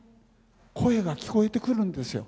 声が聴こえてくるんですよ。